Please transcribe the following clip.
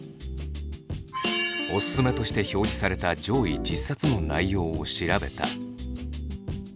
「おすすめ」として表示された上位１０冊の内容を調べた。